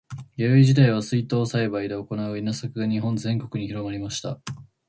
弥生時代は水耕栽培で行う稲作が日本全国に広まりました。